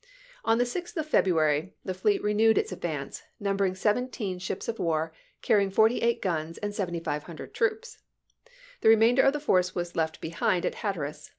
On the 6th of February the fleet re isea. newed its advance ; numbering seventeen ships of war, carrying forty eight guns and 7500 troops. The remainder of the force was left behind at Hatteras.